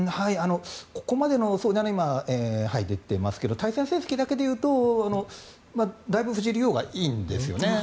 ここまでの今、出てますけど対戦成績だけで言うと、だいぶ藤井竜王がいいんですよね。